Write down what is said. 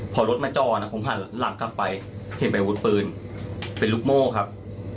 พอรถมาจอดผมหันหลังกลับไปเห็นเป็นอาวุธปืนเป็นลูกโม่ครับ